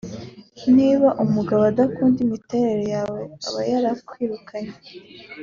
Niba umugabo adakunda imiterere yawe aba yarakwirukanye